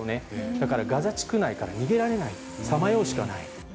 だからガザ地区内から逃げられない、さまようしかない。